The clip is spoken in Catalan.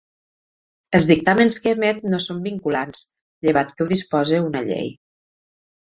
Els dictàmens que emet no són vinculants, llevat que ho dispose una llei.